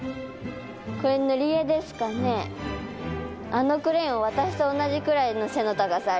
あのクレヨン私と同じくらいの背の高さあります。